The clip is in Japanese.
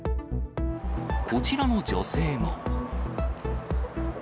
こちらの女性も。